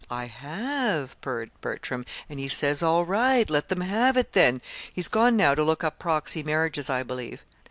"I have," purred Bertram, "and he says all right, let them have it, then. He's gone now to look up proxy marriages, I believe."